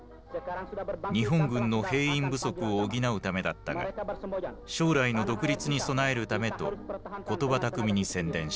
日本軍の兵員不足を補うためだったが将来の独立に備えるためと言葉巧みに宣伝した。